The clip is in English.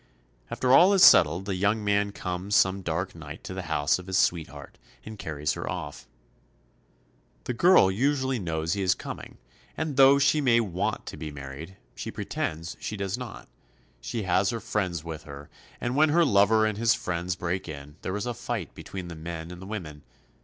After all is settled the young man comes some dark night to the house of his sweetheart and carries her off. The girl usually knows he is coming, and though she may want to be married, she pretends she does not. She has her friends with her, and when her lover and his friends break in, there is a fight between the men and the women.